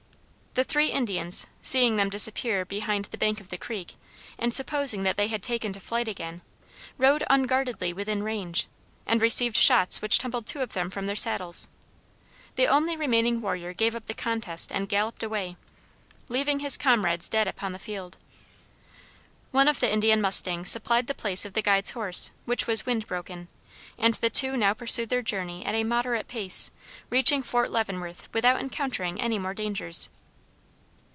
The three Indians, seeing them disappear behind the bank of the creek, and supposing that they had taken to flight again, rode unguardedly within range, and received shots which tumbled two of them from their saddles. The only remaining warrior gave up the contest and galloped away, leaving his comrades dead upon the field. One of the Indian mustangs supplied the place of the guide's horse, which was wind broken, and the two now pursued their journey at a moderate pace, reaching Fort Leavenworth without encountering any more dangers.